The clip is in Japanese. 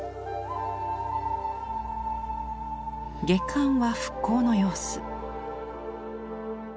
下巻は復興の様子。